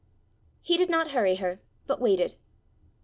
He did not hurry her, but waited.